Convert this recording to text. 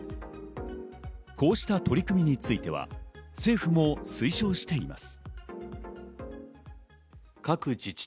こうした取り組みについては政府も推奨しています。